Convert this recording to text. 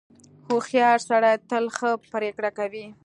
• هوښیار سړی تل ښه پرېکړه کوي.